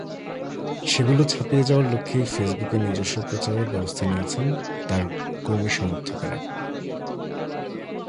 সেগুলো ছাপিয়ে যাওয়ার লক্ষ্যেই ফেসবুকে নিজস্ব প্রচারের ব্যবস্থা নিয়েছেন তাঁর কর্মী-সমর্থকেরা।